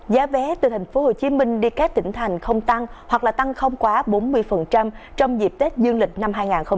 giá vé từ tp hcm đi các tỉnh thành không tăng hoặc là tăng không quá bốn mươi trong dịp tết dương lịch năm hai nghìn hai mươi bốn